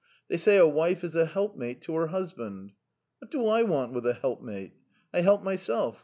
f They say a wife is a helpmate to her husband. What do I want with a helpmate. I can look after myself.